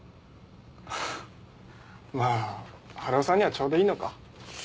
まあ春尾さんにはちょうどいいのか。